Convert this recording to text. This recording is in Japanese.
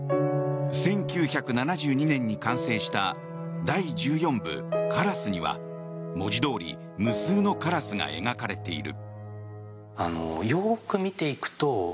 １９７２年に完成した第１４部「からす」には文字どおり無数のカラスが描かれている。